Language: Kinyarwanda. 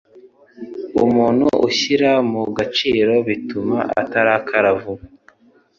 Umuntu ushyira mu gaciro bituma atarakara vuba